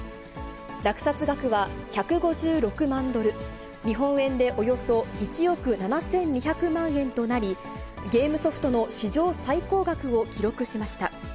落札額は１５６万ドル、日本円でおよそ１億７２００万円となり、ゲームソフトの史上最高額を記録しました。